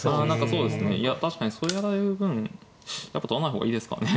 そうですねいや確かにそうやられる分やっぱ取らない方がいいですかね。